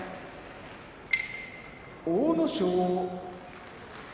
阿武咲